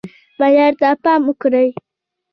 معیار ته پام وکړئ